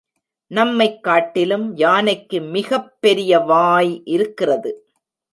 நம்மைக் காட்டிலும் யானைக்கு மிகப் பெரிய வாய் இருக்கிறது.